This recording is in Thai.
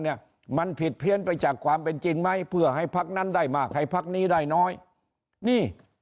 เนี่ยมันผิดเพี้ยนไปจากความเป็นจริงไหมเพื่อให้พักนั้นได้